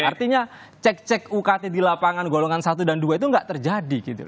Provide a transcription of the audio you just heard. artinya cek cek ukt di lapangan golongan satu dan dua itu nggak terjadi gitu